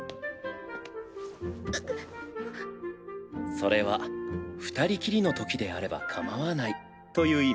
それは二人きりのときであればかまわないという意味？